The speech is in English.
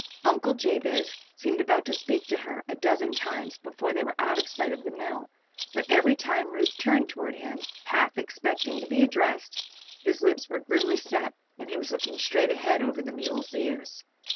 Uncle Jabez seemed about to speak to her a dozen times before they were out of sight of the mill; but every time Ruth turned toward him, half expecting to be addressed, his lips were grimly set and he was looking straight ahead over the mules' ears.